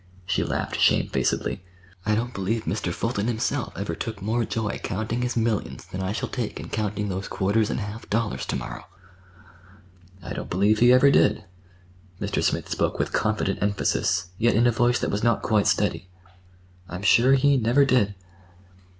She laughed shamefacedly. "I don't believe Mr. Fulton himself ever took more joy counting his millions than I shall take in counting those quarters and half dollars to morrow." "I don't believe he ever did." Mr. Smith spoke with confident emphasis, yet in a voice that was not quite steady. "I'm sure he never did."